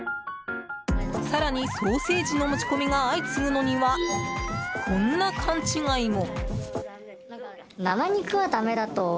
更に、ソーセージの持ち込みが相次ぐのにはこんな勘違いも。